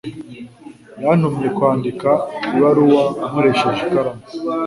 Yantumye kwandika ibaruwa nkoresheje ikaramu.